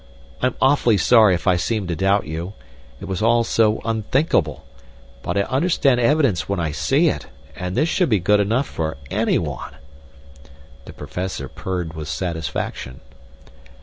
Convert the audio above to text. I'm awfully sorry if I seemed to doubt you. It was all so unthinkable. But I understand evidence when I see it, and this should be good enough for anyone." The Professor purred with satisfaction.